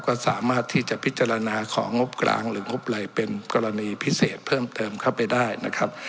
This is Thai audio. ก็สามารถที่จะพิจารณาของงบกลางหรืองบอะไรเป็นกรณีพิเศษเพิ่มเติมเข้าไปได้นะครับ